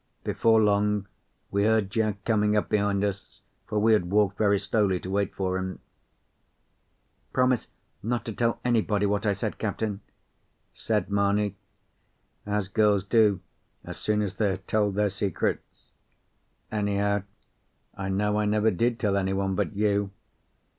Before long we heard Jack coming up behind us, for we had walked very slowly to wait for him. "Promise not to tell anybody what I said, captain," said Mamie, as girls do as soon as they have told their secrets. Anyhow, I know I never did tell any one but you.